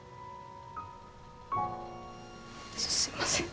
すいません。